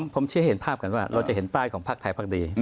ผมเชื่อเห็นภาพกันว่าเราจะเห็นป้ายของภาคไทยพักดี